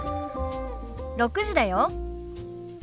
６時だよ。